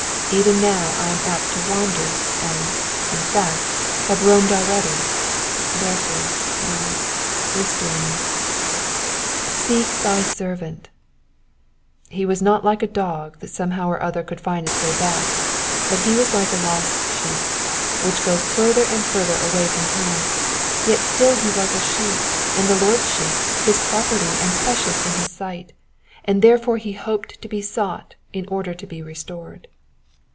Even now I am apt to wander, and, in fact, have roamed already ; therefore, Lord, restore me. ^'Seeh thy servant,'''^ He was not like a dog, that somehow or other can find its way back ; but he was like a lost sheep, which goes further and further away from home ; yet still he was a sheep, and the Lord's sheep, his property, and precious in his sight, and therefore Digitized by VjOOQIC PSALM ONE HUNDRED AND NINETEEN — ^VEBSES 169 TO 176. 347 he hoped to be sought in order to be restored.